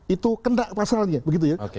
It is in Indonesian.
itu kendak pasalnya begitu ya